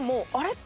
って。